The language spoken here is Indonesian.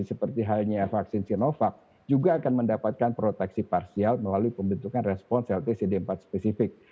seperti halnya vaksin sinovac juga akan mendapatkan proteksi parsial melalui pembentukan respon sel tcd empat spesifik